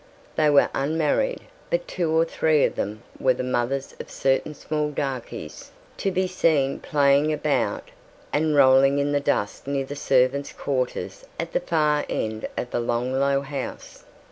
They were unmarried, but two or three of them were the mothers of certain small darkies to be seen playing about and rolling in the dust near the servants' quarters at the far end of the long low house.